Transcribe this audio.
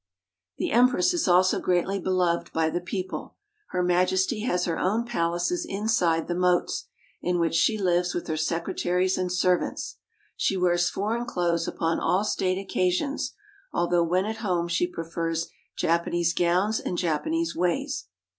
The Empress is also greatly beloved by the people. Her Majesty has her own palaces inside the moats, in which she lives with her secretaries and servants. She wears foreign clothes upon all state occasions, although when at home she prefers Japanese gowns and Japanese ways.